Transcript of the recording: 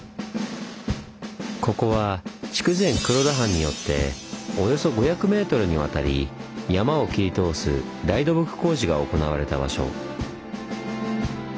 ここは筑前黒田藩によっておよそ５００ｍにわたり山を切り通す大土木工事が行われた場所。